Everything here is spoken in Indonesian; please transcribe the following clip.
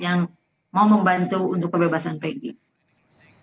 yang mau membantu untuk kebebasan peggy